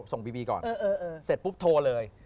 ส่งบีบีก่อนเสร็จปุ๊บโทรเลย